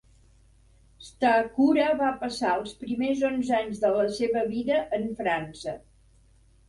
Stachura va passar els primers onze anys de la seva vida en França.